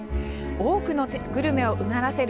多くのグルメをうならせる